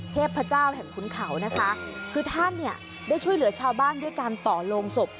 เทพเจ้าแห่งขุนเขานะคะคือท่านเนี่ยได้ช่วยเหลือชาวบ้านด้วยการต่อโรงศพ